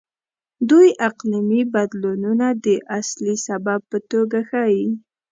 دوی اقلیمي بدلونونه د اصلي سبب په توګه ښيي.